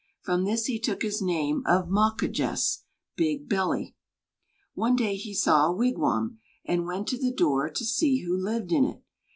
From this he took his name of Mawquejess, Big Belly. One day he saw a wigwam, and went to the door to see who lived in it.